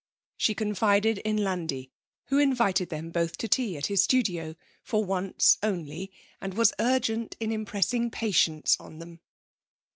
She confided in Landi, who invited them both to tea at his studio for once only and was urgent in impressing patience on them.